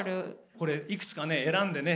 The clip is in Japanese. これ、いくつか選んでね